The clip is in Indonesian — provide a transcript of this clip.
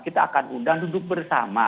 kita akan undang duduk bersama